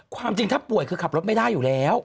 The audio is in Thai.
ความจริงถ้าป่วยคือขับรถไม่ได้อยู่แล้ว